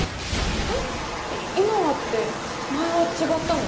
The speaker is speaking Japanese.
えっ今はって前は違ったの？